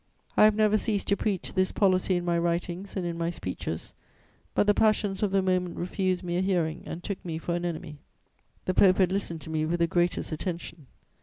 I have never ceased to preach this policy in my writings and in my speeches; but the passions of the moment refused me a hearing and took me for an enemy.' "The Pope had listened to me with the greatest attention.